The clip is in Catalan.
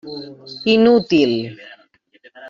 Inútil.